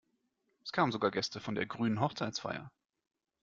Es kamen sogar Gäste von der grünen Hochzeitsfeier.